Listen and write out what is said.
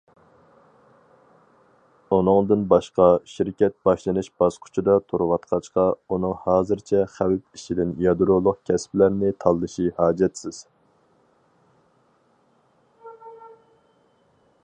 ئۇنىڭدىن باشقا، شىركەت باشلىنىش باسقۇچىدا تۇرۇۋاتقاچقا، ئۇنىڭ ھازىرچە خەۋپ ئىچىدىن يادرولۇق كەسىپلەرنى تاللىشى ھاجەتسىز.